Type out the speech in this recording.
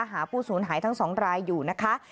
ผู้สูญหายทั้ง๒รายอยู่นะคะ